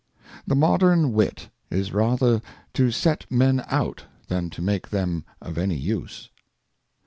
The modern Wit is rather to set Men out, than to make them of any Use.